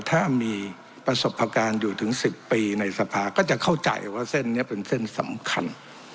ถ้ามีประสบการณ์อยู่ถึง๑๐ปีในสภาก็จะเข้าใจว่าเส้นนี้เป็นเส้นสำคัญ